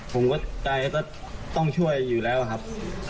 ผมก็ใจก็ต้องช่วยอยู่แล้วครับ